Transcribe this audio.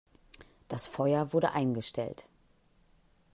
Das Feuer wurde eingestellt.